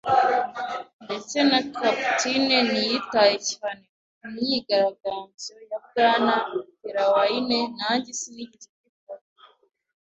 ndetse na capitaine ntiyitaye cyane ku myigaragambyo ya Bwana Trelawney. Nanjye sinigeze mbikora